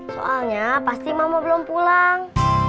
soalnya pasti mama belum pulang